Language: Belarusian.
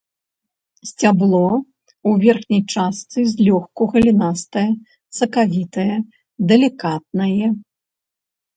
Сцябло ў верхняй частцы злёгку галінастае, сакавітае, далікатнае.